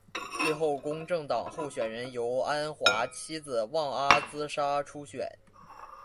最后公正党候选人由安华妻子旺阿兹莎出选。